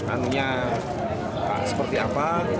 tanya seperti apa